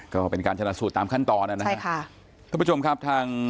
ก็เป็นการชนะสูตรตามขั้นตอนนะครับทุกผู้ชมครับทาง